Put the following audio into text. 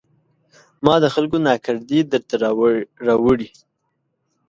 ما د خلکو ناکردې درته راوړي